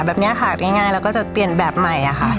แบบนี้ค่ะง่ายแล้วก็จะเปลี่ยนแบบใหม่ค่ะ